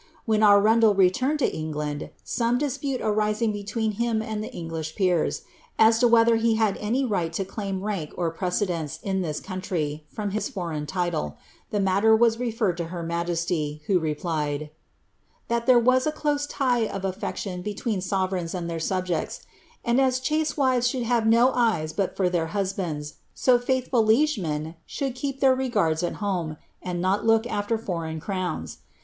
When Arundel returned la England, some dispute Brisiog bctwMH him and ihe English peers, as to whether be had any right Lo claim rank « preceJency in itiis country from his foreign title, the mailer was »fened to her majeslyt who replied, "' that there was a close tie of afieciino b^ tween sovereigns and their subjecis ; and a« chaste wives ehonU Ian no eya but for their buebands. so faithful liegemen Ghould keep ibdr regards at home, and not It jq crowns.